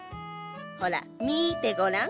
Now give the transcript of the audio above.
ほら見てごらん。